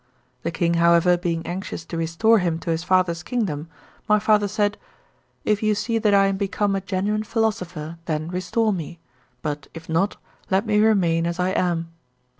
The king however being anxious to restore him to his father's kingdom, my _ father said :" If you see that I am become a genuine _ philosopher, then restore. me ; but if not, let me remain as I am."